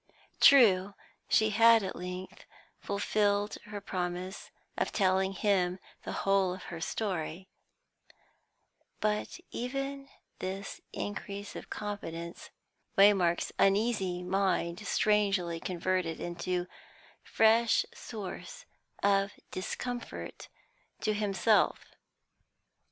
True, she had at length fulfilled her promise of telling him the whole of her story, but even this increase of confidence Waymark's uneasy mind strangely converted into fresh source of discomfort to himself.